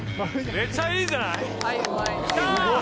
めっちゃいいんじゃない？きた！